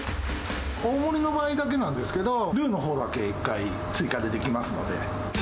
大盛りの場合だけなんですけど、ルールのほうだけ１回追加でできますので。